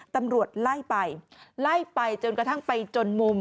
ตำรวจไล่ไปไล่ไปจนกระทั่งไปจนมุม